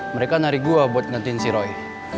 mereka nari gue buat ngantiin si roy